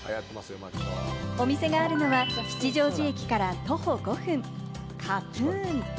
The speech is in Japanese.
お店があるのは吉祥寺駅から徒歩５分、カプーン。